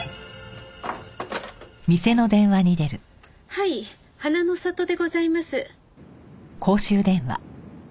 はい花の里でございます。